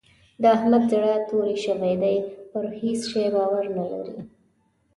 د احمد زړه توری شوی دی؛ پر هيڅ شي باور نه لري.